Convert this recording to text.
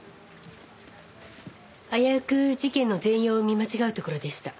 危うく事件の全容を見間違うところでした。